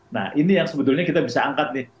nah ini yang sebetulnya kita bisa angkat nih